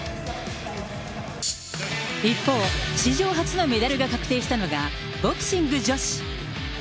一方、史上初のメダルが確定したのが、ボクシング女子。